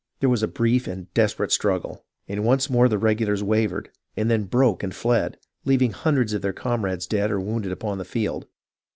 There was a brief and desperate struggle, and once more the regulars wavered, and then broke and fled, leaving hundreds of their comrades dead or wounded upon the field.